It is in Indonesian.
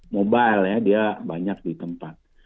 mobile ya dia banyak di tempat